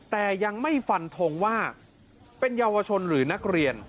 แต่ยังไม่ฟันทงว่าเป็นเยาวชนหรือนักเรียน